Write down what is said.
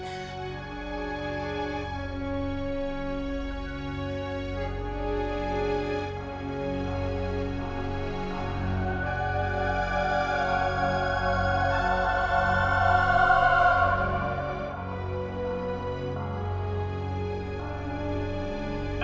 apa yang terjadi